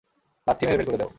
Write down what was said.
লাত্থি মেরে বের করে দেও।